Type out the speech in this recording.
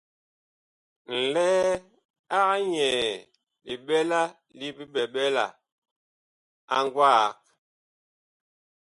Nlɛɛ ag nyɛɛ liɓɛla li biɓɛɓɛla a gwaag.